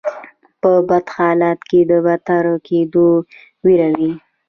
په بد حالت کې د بدتر کیدو ویره وي.